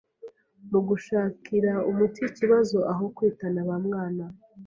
mu gushakira umuti iki kibazo aho kwitana bamwana